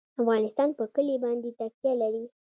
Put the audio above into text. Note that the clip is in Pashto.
افغانستان په کلي باندې تکیه لري.